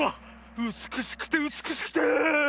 うつくしくてうつくしくて！